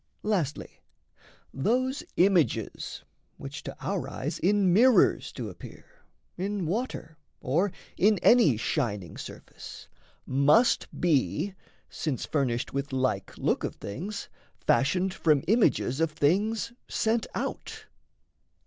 Lastly those images Which to our eyes in mirrors do appear, In water, or in any shining surface, Must be, since furnished with like look of things, Fashioned from images of things sent out.